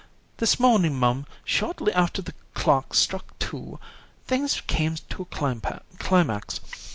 This morning, mum, shortly after the clock struck two, things came to a climax.